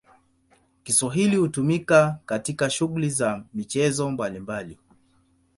Kiswahili hutumika katika shughuli za michezo mbalimbali.